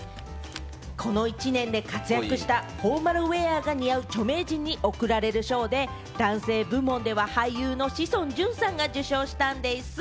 この１年で、活躍したフォーマルウエアが似合う著名人に贈られる賞で、男性部門では俳優の志尊淳さんが受賞したんでぃす。